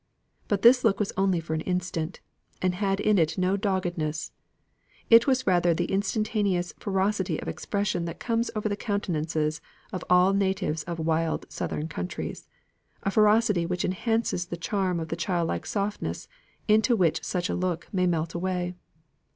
But this look was only for an instant; and had in it no doggedness, no vindictiveness; it was rather the instantaneous ferocity of expression that comes over the countenances of all natives of wild or southern countries a ferocity which enhances the charm of the childlike softness into which such a look may melt away.